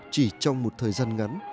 chỉ trong một thời gian ngắn